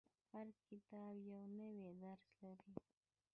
• هر کتاب یو نوی درس لري.